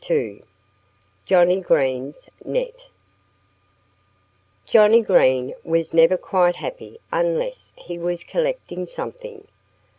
II JOHNNIE GREEN'S NET JOHNNIE GREEN was never quite happy unless he was collecting something.